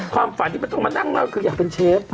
ความฝันที่ไม่ต้องมานั่งเล่าคืออยากเป็นเชฟ